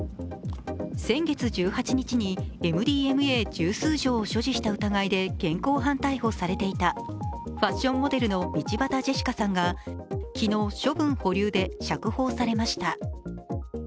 先月１８日にＭＤＭＡを十数錠所持した疑いで現行犯逮捕されていたファッションモデルの道端ジェシカさんが昨日、処分保留で釈放されました。